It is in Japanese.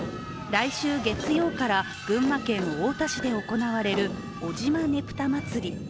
来週月曜から群馬県太田市で行われる尾島ねぷたまつり。